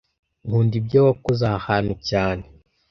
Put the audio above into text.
Nkunda ibyo wakoze aha hantu cyane